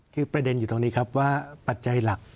คือประเด็นอยู่ตรงนี้ครับว่าปัจจัยหลัก